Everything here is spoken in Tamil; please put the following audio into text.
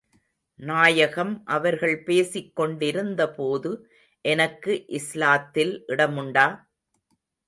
நாயகம் அவர்கள் பேசிக் கொண்டிருந்த போது, எனக்கு இஸ்லாத்தில் இடமுண்டா?